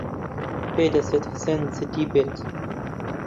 پێدەچێت حسێن جددی بێت.